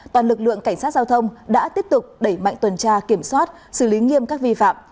toàn lực lượng cảnh sát giao thông đã tiếp tục đẩy mạnh tuần tra kiểm soát xử lý nghiêm các vi phạm